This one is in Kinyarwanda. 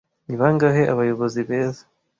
Ni bangahe abayobozi beza